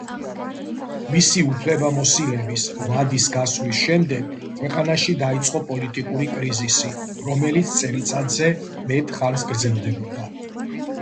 მისი უფლებამოსილების ვადის გასვლის შემდეგ ქვეყანაში დაიწყო პოლიტიკური კრიზისი, რომელიც წელიწადზე მეტ ხანს გრძელდებოდა.